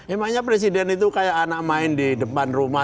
emangnya presiden itu kayak anak main di depan rumah